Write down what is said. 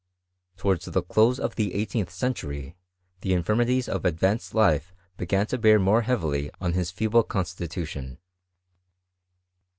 Towards the close of the eighteenth century, the infir* mities of advanced life began to bear more heavily on his feeble constitution.